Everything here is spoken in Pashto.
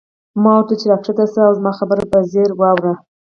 ما ورته وویل چې راکښته شه او زما خبره په ځیر واوره.